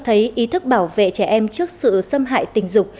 nên cho thấy ý thức bảo vệ trẻ em trước sự xâm hại tình dục